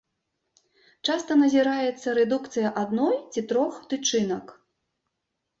Часта назіраецца рэдукцыя адной ці трох тычынак.